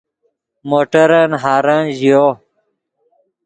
موٹرن ہارن ژیو